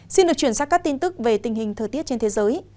xin được chuyển sang các tin tức về tình hình thời tiết trên thế giới